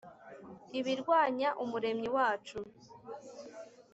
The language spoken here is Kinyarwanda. ibirwanya umuremyi wacu